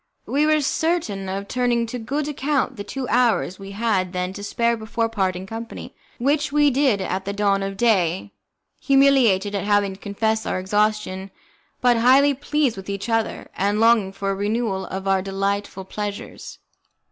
We were certain of turning to good account the two hours we had then to spare before parting company, which we did at the dawn of day, humiliated at having to confess our exhaustion, but highly pleased with each other, and longing for a renewal of our delightful pleasures.